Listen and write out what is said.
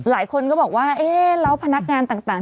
หลายคนก็บอกว่าเอ๊ะแล้วพนักงานต่าง